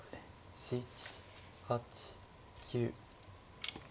７８９。